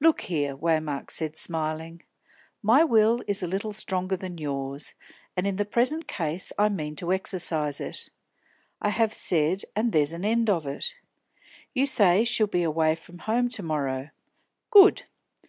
"Look here," Waymark said, smiling, "my will is a little stronger than yours, and in the present case I mean to exercise it. I have said, and there's an end of it. You say she'll be away from home to morrow. Good.